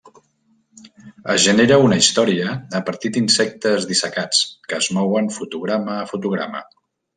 Es genera una història a partir d'insectes dissecats que es mouen fotograma a fotograma.